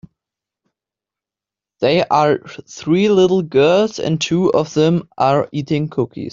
They are three little girls and two of them are eating cookies.